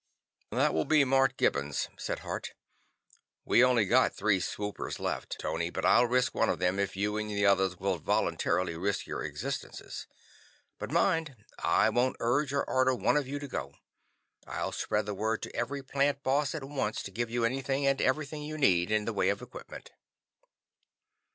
"That will be Mort Gibbons," said Hart. "We've only got three swoopers left, Tony, but I'll risk one of them if you and the others will voluntarily risk your existences. But mind, I won't urge or order one of you to go. I'll spread the word to every Plant Boss at once to give you anything and everything you need in the way of equipment."